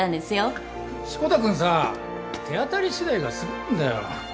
志子田君さ手当たり次第が過ぎるんだよ。